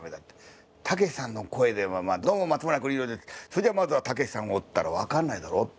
たけしさんの声で「どうも村松邦洋です。それじゃあまずはたけしさんを」ったら分かんないんだろって。